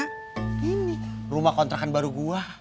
ini rumah kontrakan baru gue